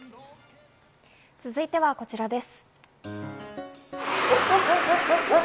続いてはこちらです。